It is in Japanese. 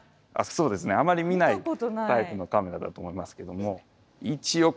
そうですねあまり見ないタイプのカメラだと思いますけども。